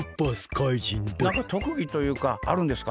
なんかとくぎというかあるんですか？